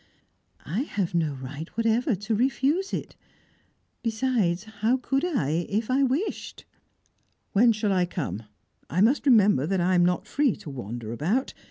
"I have no right whatever to refuse it. Besides, how could I, if I wished? "When shall I come? I must remember that I am not free to wander about.